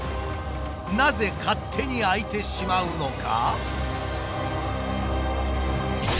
なぜ勝手に開いてしまうのか？